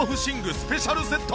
スペシャルセット。